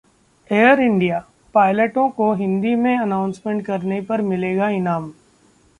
air India: पायलटों को हिंदी में अनाउंसमेंट करने पर मिलेगा इनाम